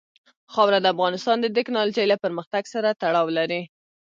خاوره د افغانستان د تکنالوژۍ له پرمختګ سره تړاو لري.